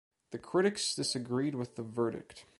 The critics disagreed with the verdict.